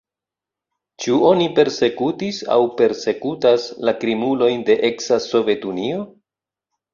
Ĉu oni persekutis aŭ persekutas la krimulojn de eksa Sovetunio?